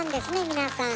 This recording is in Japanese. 皆さん。